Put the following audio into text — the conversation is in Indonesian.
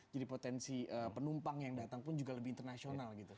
jadi potensi penumpang yang datang pun juga lebih internasional